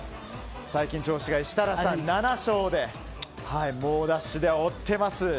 最近調子がいい設楽さん、７勝で猛ダッシュで追っています。